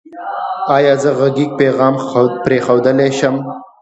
ایا زه غږیز پیغام پریښودلی شم؟